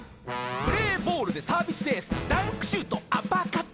「プレーボールでサービスエースダンクシュートアッパーカット」